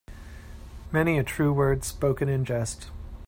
Many a true word spoken in jest.